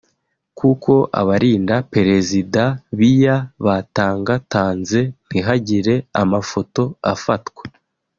kuko abarinda Perezida Biya batangatanze ntihagire amafoto afatwa